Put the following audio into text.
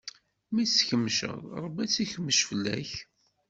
Mi tt-tkemceḍ, Ṛebbi ad tt-ikmec fell-ak.